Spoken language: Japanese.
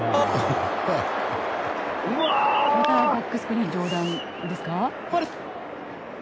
またバックスクリーン上段ですか。